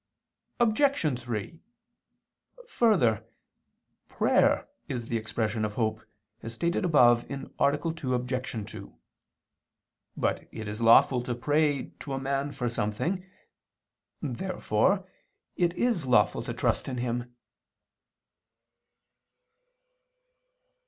Obj. 3: Further, prayer is the expression of hope, as stated above (A. 2, Obj. 2). But it is lawful to pray to a man for something. Therefore it is lawful to trust in him.